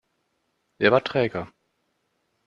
Wer war träger?